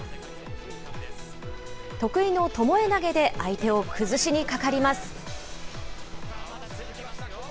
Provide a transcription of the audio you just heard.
得意のともえ投げで相手を崩しにかかります。